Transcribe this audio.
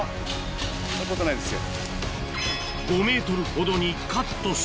そんなことないですよ。